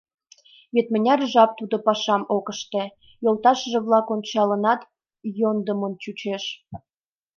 Вет мыняр жап тудо пашам ок ыште, йолташыже-влак ончыланат йӧндымын чучеш.